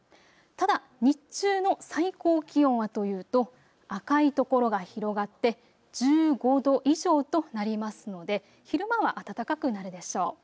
ただ、日中の最高気温はというと赤い所が広がって１５度以上となりますので昼間は暖かくなるでしょう。